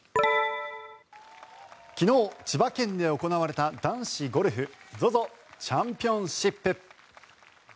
昨日、千葉県で行われた男子ゴルフＺＯＺＯチャンピオンシップ。